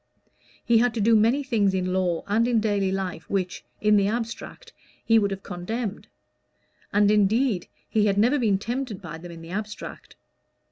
He had to do many things in law and in daily life which, in the abstract, he would have condemned; and indeed he had never been tempted by them in the abstract.